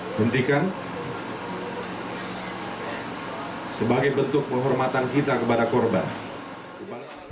hentikan sebagai bentuk penghormatan kita kepada korban